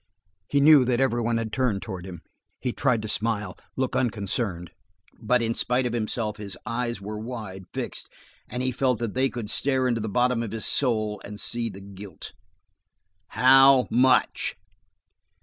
He knew that every one had turned toward him and he tried to smile, look unconcerned, but in spite of himself his eyes were wide, fixed, and he felt that they could stare into the bottom of his soul and see the guilt. "How much?"